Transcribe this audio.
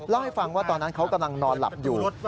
เล่าให้ฟังว่าตอนนั้นเขากำลังนอนหลับอยู่